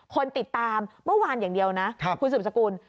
คนติดตามเมื่อวานอย่างเดียวนะคุณสืบสกุล